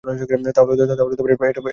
তাহলে এটা বুদ্ধিমানের কাজ হবে।